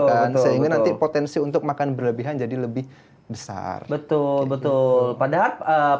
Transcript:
kan sehingga nanti potensi untuk makan berlebihan jadi lebih besar betul betul padahal